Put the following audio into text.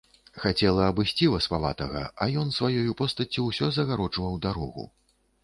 Хацела абысці васпаватага, а ён сваёю постаццю ўсё загароджваў дарогу.